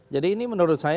jadi ini menurut saya